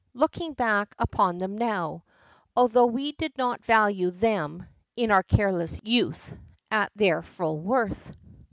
looking back upon them now, although we did not value them, in our careless youth, at their full worth.